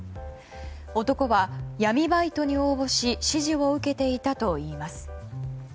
男は闇バイトに応募し指示を受けていたといいます。